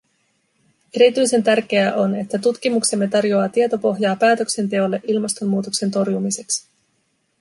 Erityisen tärkeää on, että tutkimuksemme tarjoaa tietopohjaa päätöksenteolle ilmastonmuutoksen torjumiseksi.